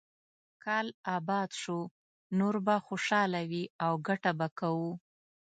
کال اباد شو، نور به خوشاله وي او ګټه به کوو.